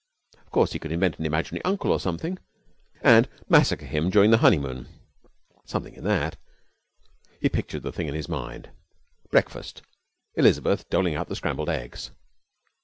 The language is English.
Of course, he could invent an imaginary uncle or something, and massacre him during the honeymoon. Something in that. He pictured the thing in his mind. Breakfast: Elizabeth doling out the scrambled eggs.